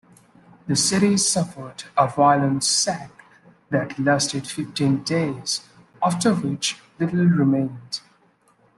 The city suffered a violent sack that lasted fifteen days, after which little remained.